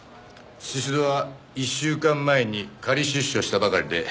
宍戸は１週間前に仮出所したばかりでつまり。